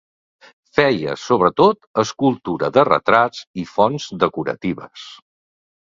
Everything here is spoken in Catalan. Feia sobretot escultura de retrat i fonts decoratives.